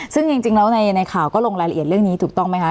ซึ่งจริงแล้วในข่าวก็ลงรายละเอียดเรื่องนี้ถูกต้องไหมคะ